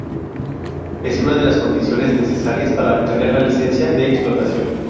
Es una de las condiciones necesarias para obtener la Licencia de Explotación.